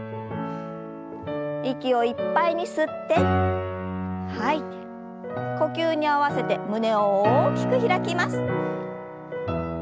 息をいっぱいに吸って吐いて呼吸に合わせて胸を大きく開きます。